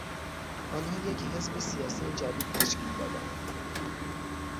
آنها یک حزب سیاسی جدید تشکیل دادهاند.